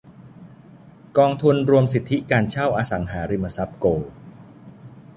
กองทุนรวมสิทธิการเช่าอสังหาริมทรัพย์โกลด์